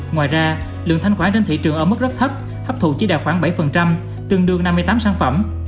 ngoài ra lượng thanh khoản trên thị trường ở mức rất thấp hấp thụ chỉ đạt khoảng bảy tương đương năm mươi tám sản phẩm